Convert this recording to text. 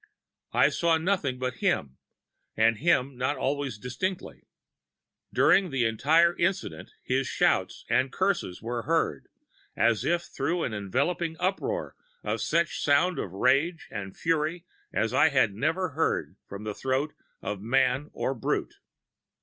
I saw nothing but him, and him not always distinctly. During the entire incident his shouts and curses were heard, as if through an enveloping uproar of such sounds of rage and fury as I had never heard from the throat of man or brute!